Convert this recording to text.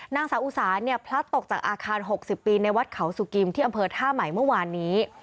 นางสาวอุสาเนี่ยพลัดตกจากอาคาร๖๐ปีในวัดเขาสุกิมที่อำเภอท่าใหม่เมื่อวานนี้